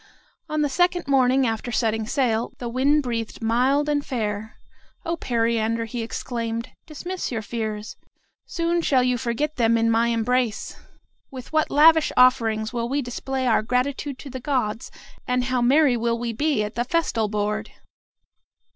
On the second morning after setting sail, the wind breathed mild and fair. "O Periander," he exclaimed, "dismiss your fears! Soon shall you forget them in my embrace. With what lavish offerings will we display our gratitude to the gods, and how merry will we be at the festal board!"